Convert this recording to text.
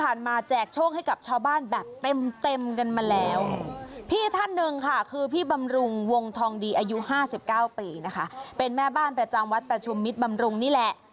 อายุห้าสิบเก้าปีนะคะเป็นแม่บ้านประจำวัดประชุมมิตรบำรุงนี่แหละ